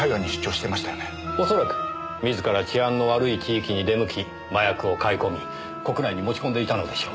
おそらく自ら治安の悪い地域に出向き麻薬を買い込み国内に持ち込んでいたのでしょう。